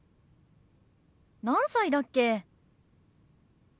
何歳だっけ？